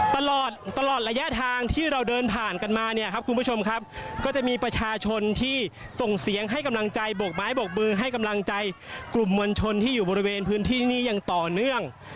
ตลอดตลอดระยะทางที่เราเดินผ่านกันมาเนี่ยครับคุณผู้ชมครับก็จะมีประชาชนที่ส่งเสียงให้กำลังใจโบกไม้โบกมือให้กำลังใจกลุ่มมวลชนที่อยู่บริเวณพื้นที่นี้อย่างต่อเนื่อง